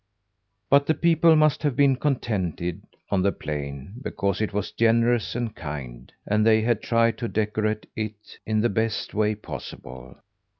But the people must have been contented on the plain, because it was generous and kind, and they had tried to decorate it in the best way possible.